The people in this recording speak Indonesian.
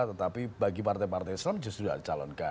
tetapi bagi partai partai islam justru tidak dicalonkan